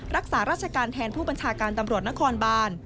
รักษาราชการแทนผู้บัญชาการตำรวจนครบาน